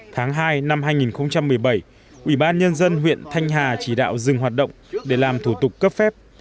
tháng hai năm hai nghìn một mươi bảy ủy ban nhân dân huyện thanh hà chỉ đạo dừng hoạt động để làm thủ tục cấp phép